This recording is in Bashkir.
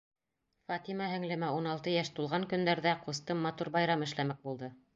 Фатима һеңлемә ун алты йәш тулған көндәрҙә, ҡустым матур байрам эшләмәк булды.